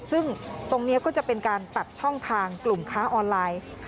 ซึ่งตรงนี้ก็จะเป็นการตัดช่องทางกลุ่มค้าออนไลน์